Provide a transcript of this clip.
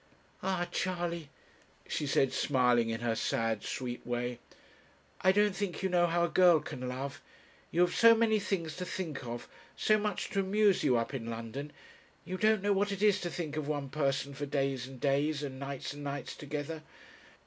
'Ah, Charley,' she said, smiling in her sad sweet way 'I don't think you know how a girl can love; you have so many things to think of, so much to amuse you up in London; you don't know what it is to think of one person for days and days, and nights and nights together.